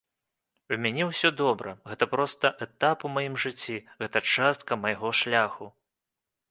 У мяне ўсё добра, гэта проста этап у маім жыцці, гэта частка майго шляху.